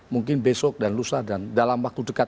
mungkin besok dan lusa dan dalam waktu dekat